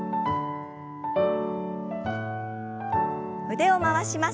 腕を回します。